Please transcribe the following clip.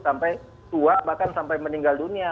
sampai tua bahkan sampai meninggal dunia